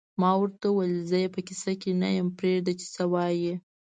ما ورته وویل: زه یې په کیسه کې نه یم، پرېږده چې څه وایې.